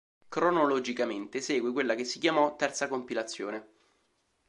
Cronologicamente segue quella che si chiamò terza compilazione.